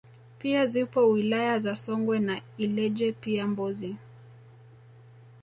pia zipo wilaya za Songwe na Ileje pia Mbozi